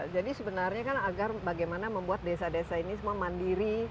jadi sebenarnya kan agar bagaimana membuat desa desa ini semua mandiri